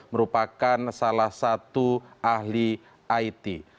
merupakan salah satu ahli it